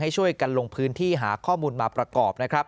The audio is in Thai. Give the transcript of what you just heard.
ให้ช่วยกันลงพื้นที่หาข้อมูลมาประกอบนะครับ